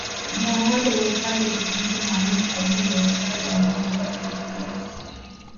Eneo moja la hifadhi litumike maalumu kwa ajili ya uhifadhi wa wanyamapori pekee